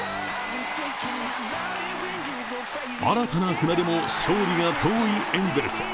新たな船出も勝利が遠いエンゼルス。